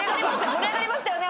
盛り上がりましたよね？